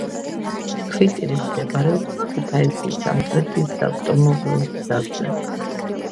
ქვიტირი მდებარეობს ქუთაისი-სამტრედიის საავტომობილო გზაზე